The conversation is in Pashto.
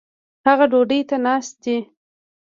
هغه ډوډي ته ناست دي